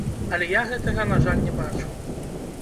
Але я гэтага, на жаль, не бачу.